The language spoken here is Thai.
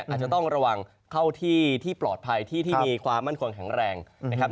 อาจจะต้องระวังเข้าที่ที่ปลอดภัยที่ที่มีความมั่นคงแข็งแรงนะครับ